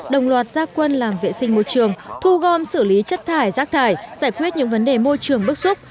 đồng loạt gia quân làm vệ sinh môi trường thu gom xử lý chất thải rác thải giải quyết những vấn đề môi trường bức xúc